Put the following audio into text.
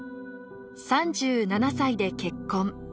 ３７歳で結婚。